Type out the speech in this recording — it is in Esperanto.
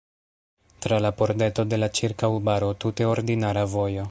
Tra la pordeto de la ĉirkaŭbaro tute ordinara vojo.